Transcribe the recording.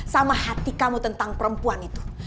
sama hati kamu tentang perempuan itu